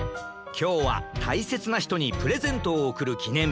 きょうはたいせつなひとにプレゼントをおくるきねんび